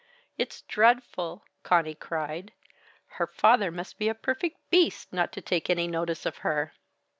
"It's dreadful!" Conny cried. "Her father must be a perfect Beast not to take any notice of her."